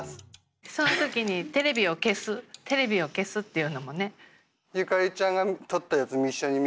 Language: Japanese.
その時にテレビを消すテレビを消すっていうのもね。